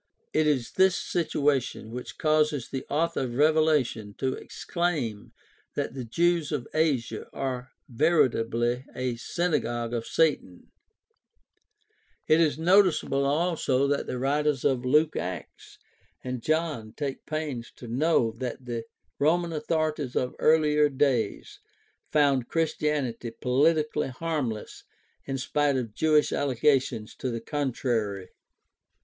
It is this situa tion which causes the author of Revelation to exclaim that the Jews of Asia are veritably a synagogue of Satan (2:9; 3:9). It is noticeable also that the writers of Luke Acts and John take pains to show that the Roman authorities of earlier days found Christianity politically harmless in spite of Jewish allegations to the contrary.